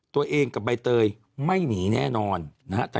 ตัวเองกับใบเตยไม่หนีแน่นอนนะฮะ